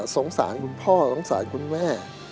สงสารคุณพ่อสงสารคุณแม่